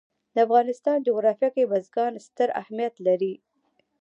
د افغانستان جغرافیه کې بزګان ستر اهمیت لري.